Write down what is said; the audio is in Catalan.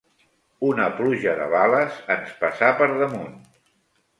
Una pluja de bales ens passà per damunt.